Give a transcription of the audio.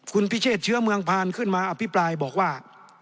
คุณพิเชษเชื้อเมืองพานขึ้นมาอภิปรายบอกว่า